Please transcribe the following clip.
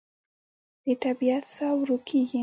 د طبیعت ساه ورو کېږي